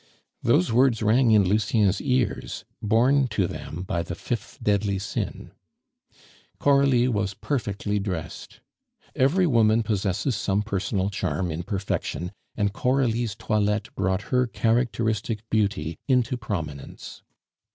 Those words rang in Lucien's ears, borne to them by the fifth deadly sin. Coralie was perfectly dressed. Every woman possesses some personal charm in perfection, and Coralie's toilette brought her characteristic beauty into prominence.